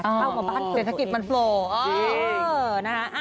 เข้ามาบ้านเกิดด้วยเศรษฐกิจมันโฟล์จริง